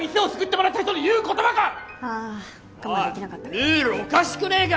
ルールおかしくねぇか！